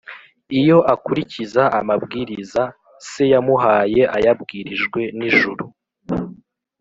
iyo akurikiza amabwiriza se yamuhaye ayabwirijwe n’ijuru,